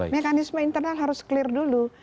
mekanisme internal harus clear dulu